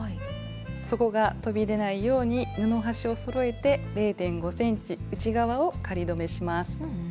そこがとび出ないように布端をそろえて０．５ｃｍ内側を仮留めします。